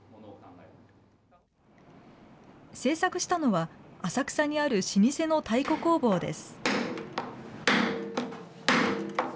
製作したのは、浅草にある老舗の太鼓工房です。